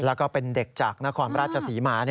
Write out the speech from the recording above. แล้วก็เป็นเด็กจากนครราชศรีมา